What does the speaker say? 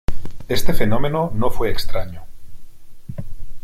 Este fenómeno no fue extraño.